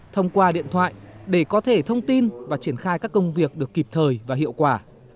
thông qua điện thoại để có thể thông tin và triển khai các công việc được kịp thời và hiệu quả